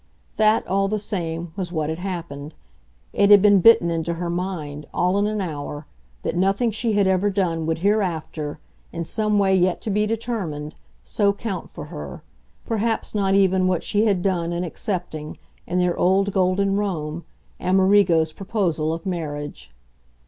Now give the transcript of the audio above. That, all the same, was what had happened; it had been bitten into her mind, all in an hour, that nothing she had ever done would hereafter, in some way yet to be determined, so count for her perhaps not even what she had done in accepting, in their old golden Rome, Amerigo's proposal of marriage.